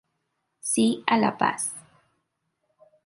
Sí a la paz.